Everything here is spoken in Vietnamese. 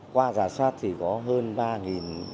qua giả soát thì có hơn ba